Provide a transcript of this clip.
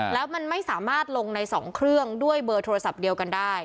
แล้วมันไม่สามารถลงใน๒เครื่องด้วยเบอร์โทรศัพท์เดียวกันได้